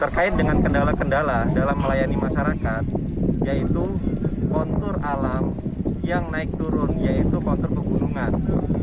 terkait dengan kendala kendala dalam melayani masyarakat yaitu kontur alam yang naik turun yaitu kontur pegunungan